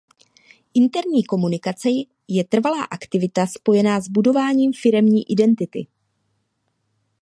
Interní komunikace je trvalá aktivita spojená s budováním firemní identity.